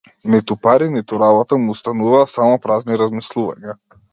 Ниту пари ниту работа му остануваа само празни размислувања.